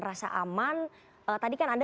rasa aman tadi kan anda